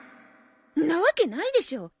んなわけないでしょ。